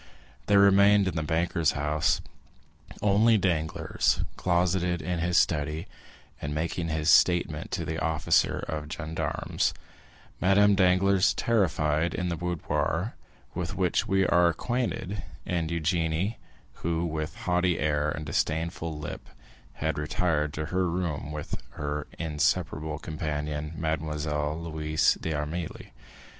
There remained in the banker's house only Danglars, closeted in his study, and making his statement to the officer of gendarmes; Madame Danglars, terrified, in the boudoir with which we are acquainted; and Eugénie, who with haughty air and disdainful lip had retired to her room with her inseparable companion, Mademoiselle Louise d'Armilly.